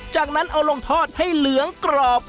จากนั้นเอาลงทอดให้เหลืองกรอบ